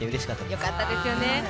よかったですよね。